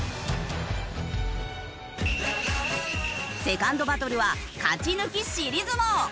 セカンドバトルは勝ち抜き尻相撲。